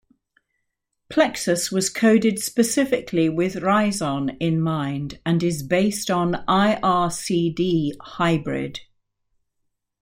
Plexus was coded specifically with Rizon in mind and is based on ircd-hybrid.